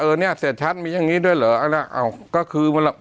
เออเนี่ยเสียชัดมีอย่างนี้ด้วยเหรอก็คือ